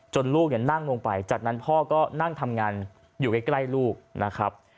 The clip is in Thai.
ลูกนั่งลงไปจากนั้นพ่อก็นั่งทำงานอยู่ใกล้ลูกนะครับ